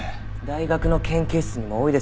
大学の研究室にも多いですよ